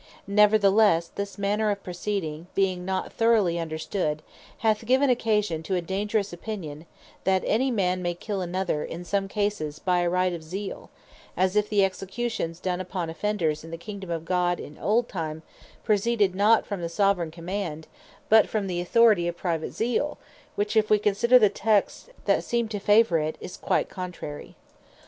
Neverthelesse, this manner of proceeding being not throughly understood, hath given occasion to a dangerous opinion, that any man may kill another, is some cases, by a Right of Zeal; as if the Executions done upon Offenders in the Kingdome of God in old time, proceeded not from the Soveraign Command, but from the Authority of Private Zeal: which, if we consider the texts that seem to favour it, is quite contrary.